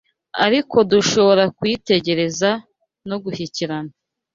ariko dushobora kuyitegereza no gushyikirana